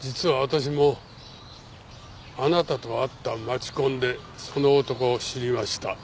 実は私もあなたと会った街コンでその男を知りました。